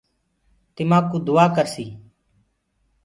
دُآآ ڪرسي تمآ ڪو